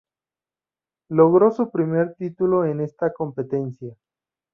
Logró su primer título en esta competencia.